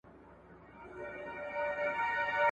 تاسو کومه مېوه تر ټولو ډېره خوښوئ؟